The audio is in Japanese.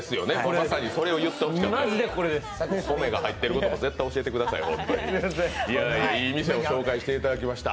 まさにそれを言ってほしかった米が入っていることも絶対に教えてくださいよいいお店を紹介していただきました。